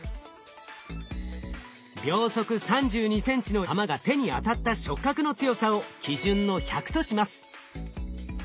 秒速３２ｃｍの球が手に当たった触覚の強さを基準の１００とします。